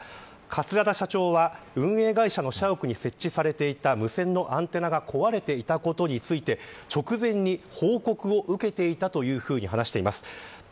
桂田社長は、運営会社の社屋に設置されていた無線のアンテナが壊れていたことについて直前に報告を受けていたというふうに話しています。